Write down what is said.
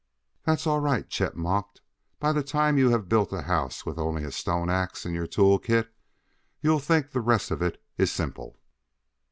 "That's all right," Chet mocked; "by the time you have built a house with only a stone ax in your tool kit, you'll think the rest of it is simple."